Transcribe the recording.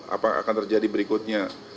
apa akan terjadi berikutnya